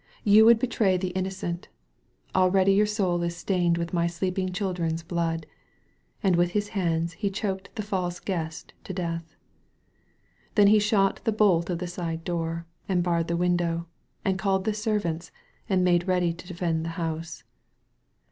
"You would betray the innocent. Already your soul is stained with my sleeping children's blood." And with his hands he choked the false Guest to death. Then he shot the bolt of the side door» and barred the window, and called the servants, and made ready to defend the house.